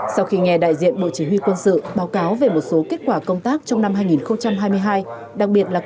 sau khi nghe đại diện bộ chỉ huy quân sự báo cáo về một số kết quả công tác trong năm hai nghìn hai mươi hai